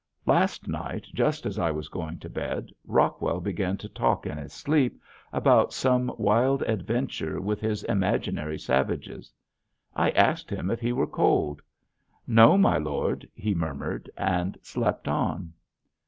Last night just as I was going to bed Rockwell began to talk in his sleep about some wild adventure with his imaginary savages. I asked him if he were cold. "No, my lord," he murmured and slept on.